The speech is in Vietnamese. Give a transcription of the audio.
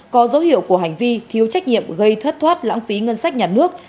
có dấu hiệu của hành vi thiếu trách nhiệm gây thất thoát lãng phí ngân sách nhà nước